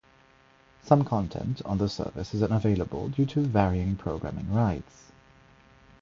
Some content on the service is unavailable due to varying programming rights.